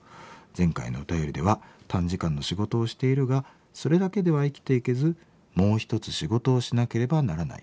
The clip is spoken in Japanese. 前回のお便りでは「短時間の仕事をしているがそれだけでは生きていけずもう一つ仕事をしなければならない。